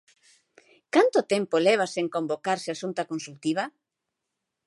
Canto tempo leva sen convocarse a xunta consultiva?